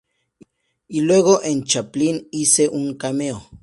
Y luego, en "Chaplin" hice un cameo.